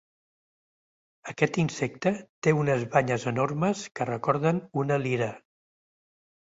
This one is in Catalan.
Aquest insecte té unes banyes enormes que recorden una lira.